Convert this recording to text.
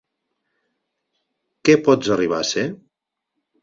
Què pots arribar a ser?